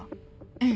ええ。